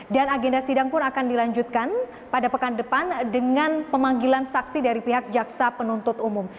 dan agenda sidang pun akan dilanjutkan pada pekan depan dengan pemanggilan saksi dari pihak jaksa penuntut umum